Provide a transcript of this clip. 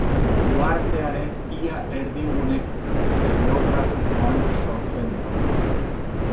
Uhartearen ia erdigune geografikoan sortzen da.